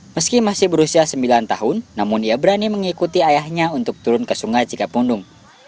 meski masih berusia sembilan tahun namun ia berani mengikuti ayahnya untuk turun ke sungai cikapundung